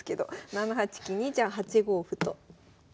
７八金にじゃあ８五歩と突きます。